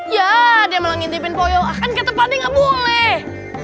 ya dia malah ngintipin poyok kan ke tempatnya ngebung nih